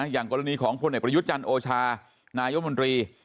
อย่างกรณีของพลเอกประยุทธ์จันทร์โอชานายมนตรี